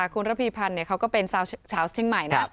คุณระภิพันธ์เขาก็เป็นเช้าเชียงใหม่นะครับ